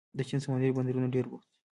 د چین سمندري بندرونه ډېر بوخت دي.